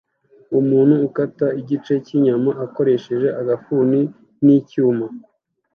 Umuntu ukata igice cyinyama akoresheje agafuni nicyuma